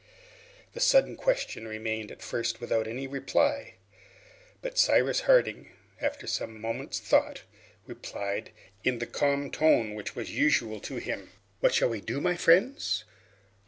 This sudden question remained at first without any reply. But Cyrus Harding, after some moments' thought, replied in the calm tone which was usual to him, "What we shall do, my friends?